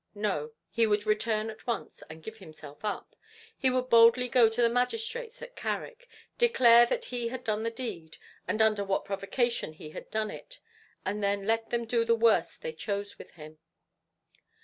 No; he would return at once, and give himself up; he would boldly go to the magistrates at Carrick declare that he had done the deed, and under what provocation he had done it, and then let them do the worst they chose with him.